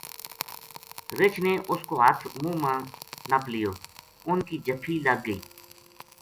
رچھ نے اس کو ہتھ منہ ما نپ لیو اُنھ کی جَپھی لگ گئی